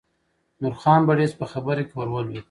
نورخان بړیڅ په خبره کې ور ولوېد.